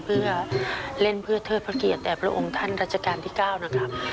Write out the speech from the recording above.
เพื่อเล่นเพื่อเทิดพระเกียรติแด่พระองค์ท่านรัชกาลที่๙นะครับ